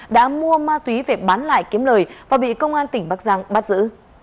đã mua ma túy về bán lại kiếm lời và bị công an tỉnh bắc giang bắt giữ